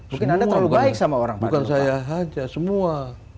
bukan saya saja semua